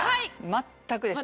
全くです。